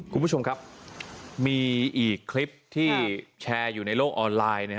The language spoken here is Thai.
คุณผู้ชมครับมีอีกคลิปที่แชร์อยู่ในโลกออนไลน์